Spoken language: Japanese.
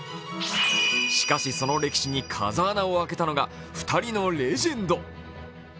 しかし、その歴史に風穴を開けたのが２人のレジェンド。